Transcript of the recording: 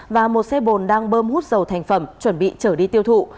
và một xe bồn đang bơm hút dầu thành phẩm chuẩn bị trở đi tiêu thụ